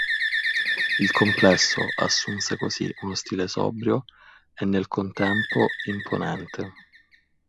Il complesso assunse così uno stile sobrio e nel contempo imponente.